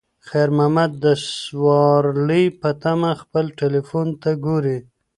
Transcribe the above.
خیر محمد د سوارلۍ په تمه خپل تلیفون ته ګوري.